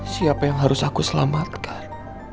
siapa yang harus aku selamatkan